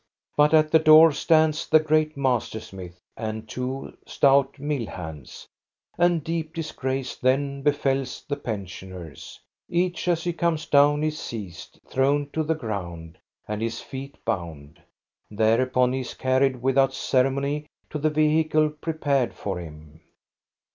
But at the door stands the great master smith and two stout mill hands, and deep disgrace then befalls the pensioners. Each, as he comes down, is seized, thrown to the ground, and his feet bound; there upon he is carried without ceremony to the vehicle prepared for him.